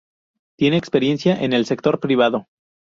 Tiene experiencia en el sector privado.